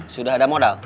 sudah ada modal